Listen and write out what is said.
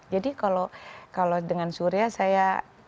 jadi kalau dengan surya saya